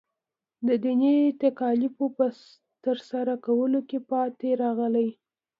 د دیني تکالیفو په ترسره کولو کې پاتې راغلی.